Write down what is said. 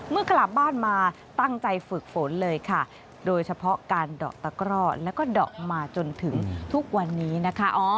เมื่อกลับบ้านมาตั้งใจฝึกฝนเลยค่ะโดยเฉพาะการดอกตะกร่อแล้วก็ดอกมาจนถึงทุกวันนี้นะคะ